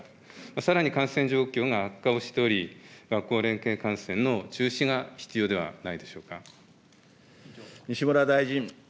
さらに感染状況が悪化をしており、学校連携観戦の中止が必要ではな西村大臣。